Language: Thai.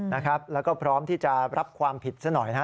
แล้วก็พร้อมที่จะรับความผิดซะหน่อยนะฮะ